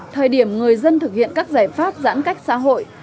thời điểm người dân thực hiện các giải pháp giãn cách xã hội